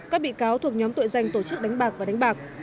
các bị cáo thuộc nhóm tội danh tổ chức đánh bạc và đánh bạc